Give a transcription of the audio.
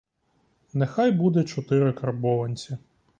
Нехай буде чотири карбованці.